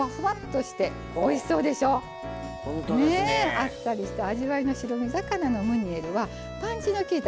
あっさりした味わいの白身魚のムニエルはパンチのきいた